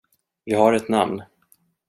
Vi har ett namn.